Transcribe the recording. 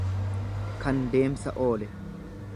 kan deemsa oole.